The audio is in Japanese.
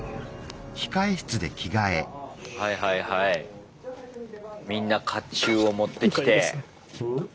はいはいはいみんな甲冑を持ってきて。